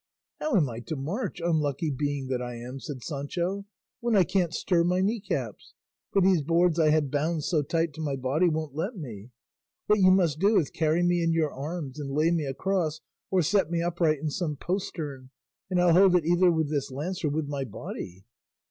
"How am I to march, unlucky being that I am?" said Sancho, "when I can't stir my knee caps, for these boards I have bound so tight to my body won't let me. What you must do is carry me in your arms, and lay me across or set me upright in some postern, and I'll hold it either with this lance or with my body."